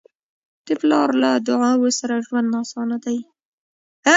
د پلار له دعاؤ سره ژوند اسانه دی.